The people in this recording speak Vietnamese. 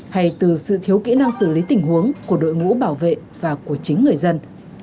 hay từ sự thiếu kỹ năng xử lý tình huống của đội ngũ bảo vệ và của chính người dân